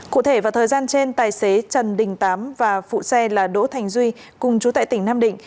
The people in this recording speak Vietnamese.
cụ thể vào thời gian trên tài xế trần đình tám và phụ xe là đỗ thành duy cùng chú tại tỉnh nam định